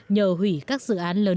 nhờ hủy các dự án lớn